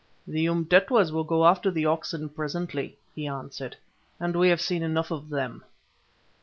"The Umtetwas will go after the oxen presently," he answered, "and we have seen enough of them."